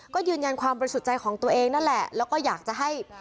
ก็ยืนยันความบริสุทธิ์ใจของตัวเองนั่นแหละแล้วก็อยากจะให้